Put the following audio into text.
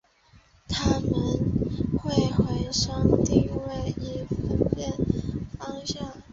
它们会用回声定位以分辨方向。